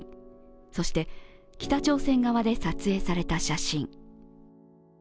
そして、北朝鮮側で撮影された写真。